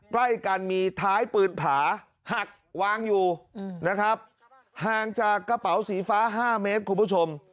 ใกล้กันมีท้ายปืนผาหักวางอยู่นะครับห่างจากกระเป๋าสีฟ้า๕เมตรคุณผู้ชม